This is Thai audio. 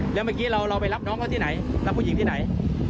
แล้วเมื่อกี้เราไปรับน้องเขาที่ไหนรับผู้หญิงที่ไหน